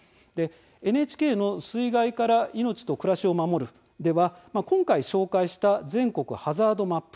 ＮＨＫの「水害から命と暮らしを守る」では今回紹介した「全国ハザードマップ」